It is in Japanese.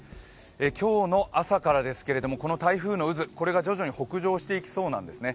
今日の朝からですが、この台風の渦これが徐々に北上していきそうなんですね。